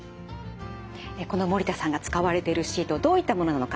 この守田さんが使われてるシートどういったものなのか